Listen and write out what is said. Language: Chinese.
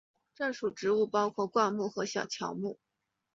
这属植物包括灌木和小乔木。